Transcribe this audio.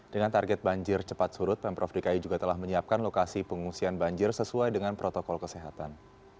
dengan target banjir cepat surut pemprov dki juga telah menyiapkan lokasi pengungsian banjir sesuai dengan protokol kesehatan